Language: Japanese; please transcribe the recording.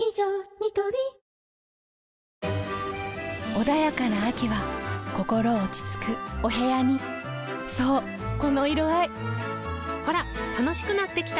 ニトリ穏やかな秋は心落ち着くお部屋にそうこの色合いほら楽しくなってきた！